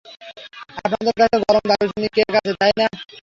আপনাদের কাছে গরম দারুচিনি কেক আছে, তাই না।